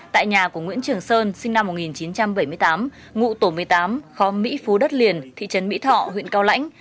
tại nhà của nguyễn trường sơn sinh năm một nghìn chín trăm bảy mươi tám ngụ tổ một mươi tám khóm mỹ phú đất liền thị trấn mỹ thọ huyện cao lãnh